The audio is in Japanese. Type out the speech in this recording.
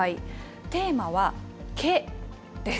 テーマは、毛です。